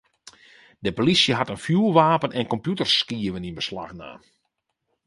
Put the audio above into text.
De plysje hat in fjoerwapen en kompjûterskiven yn beslach naam.